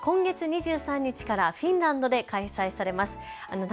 世界大会は今月２３日からフィンランドで開催されます。